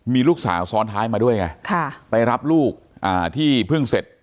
มีลูกสาวซ้อนท้ายมาด้วยไงไปรับลูกอ่าที่เพิ่งเสร็จ